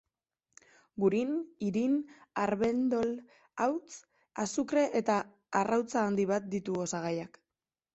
Gurin, irin, arbendol-hauts, azukre eta arrautza handi bat ditu osagaiak.